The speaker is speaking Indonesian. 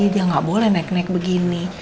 dia nggak boleh naik naik begini